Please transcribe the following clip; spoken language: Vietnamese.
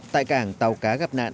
tại cảng tàu cá gấp nạn